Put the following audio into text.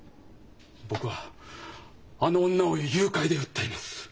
僕はあの女を誘拐で訴えます。